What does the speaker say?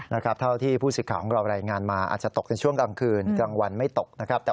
เท่าที่ผู้สิทธิ์ของเรารายงานมาอาจจะตกในช่วงกลางคืนกลางวันไม่ตกนะครับ